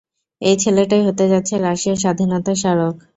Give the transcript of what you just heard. এই ছেলেটাই হতে যাচ্ছে রাশিয়ার স্বাধীনতার স্মারক!